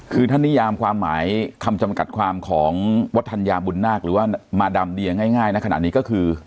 คือท่านนิยามความหมายคำจำกัดความของวัฒนยาบุญนาคหรือว่ามาดามเดียง่ายนะขณะนี้ก็คือ